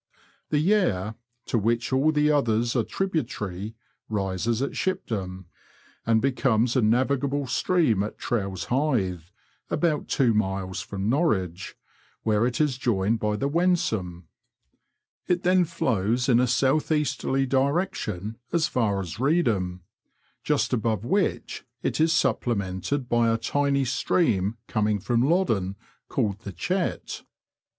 The Yare, to which all the others are tributary, rises at Shipdham, and becomes a navigable stream at Trowse Hythe, about two miles from Norwich, where it is joined by the Wensum. It then flows in a south easterly direction as far as Keedham, just above which it is supplemented by a y Google 1 INTKODUCTORY. 3 tiny stream comkig from Loddon, called the Chet.